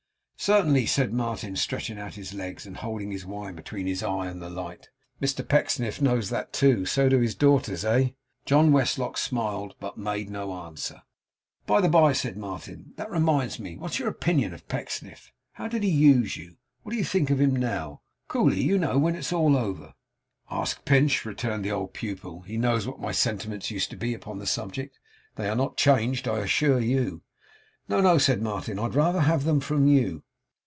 'Certainly,' said Martin, stretching out his legs, and holding his wine between his eye and the light. 'Mr Pecksniff knows that too. So do his daughters. Eh?' John Westlock smiled, but made no answer. 'By the bye,' said Martin, 'that reminds me. What's your opinion of Pecksniff? How did he use you? What do you think of him now? Coolly, you know, when it's all over?' 'Ask Pinch,' returned the old pupil. 'He knows what my sentiments used to be upon the subject. They are not changed, I assure you.' 'No, no,' said Martin, 'I'd rather have them from you.